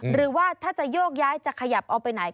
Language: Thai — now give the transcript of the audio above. หรือว่าถ้าจะโยกย้ายจะขยับเอาไปไหน